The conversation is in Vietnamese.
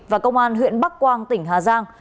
và công an huyện bắc quang tỉnh hà giang